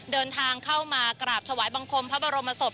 เดินทางเข้ามากราบถวายบังคมพระบรมศพ